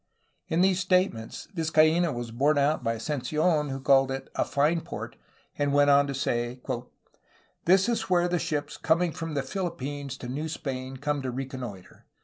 In these statements Vizcaino was borne out by Ascensi6n, who called it "a fine port'' and went on to say: "This is where the ships coming from the Philippines to New Spain come to reconnoitre.